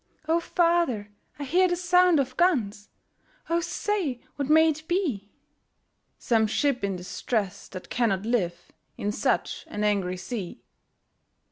'O father! I hear the sound of guns, O say, what may it be?' 'Some ship in distress that cannot live In such an angry sea!'